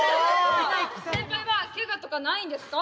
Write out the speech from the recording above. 先輩はけがとかないんですか？